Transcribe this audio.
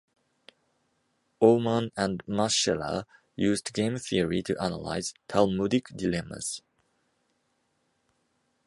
Aumann and Maschler used game theory to analyze Talmudic dilemmas.